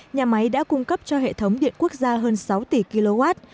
nhà máy đã cung cấp cho hệ thống điện quốc gia hơn sáu tỷ kw